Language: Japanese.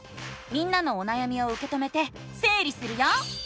みんなのおなやみをうけ止めてせい理するよ！